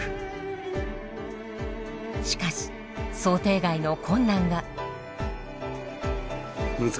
しかし想定外の困難が。